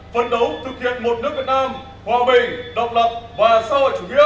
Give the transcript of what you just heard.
phấn đấu thực hiện một nước việt nam hòa bình độc lập và xã hội chủ nghĩa